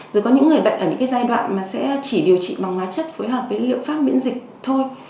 rồi có những người bệnh ở những giai đoạn mà sẽ chỉ điều trị bằng hóa chất phối hợp với liệu pháp miễn dịch thôi